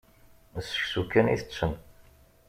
D seksu kan i tetten.